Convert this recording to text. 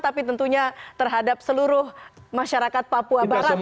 tapi tentunya terhadap seluruh masyarakat papua barat